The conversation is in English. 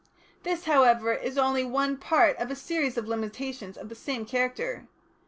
This, however, is only one part of a series of limitations of the same character.